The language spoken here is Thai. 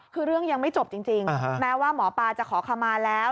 คือเรื่องยังไม่จบจริงแม้ว่าหมอปลาจะขอขมาแล้ว